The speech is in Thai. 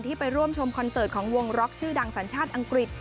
ไปร่วมชมคอนเสิร์ตของวงร็อกชื่อดังสัญชาติอังกฤษ